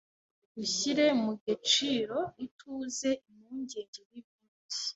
gushyire mu geciro, ituze, impungenge n’ibindi